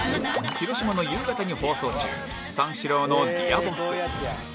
広島の夕方に放送中『三四郎の Ｄｅａｒ ボス』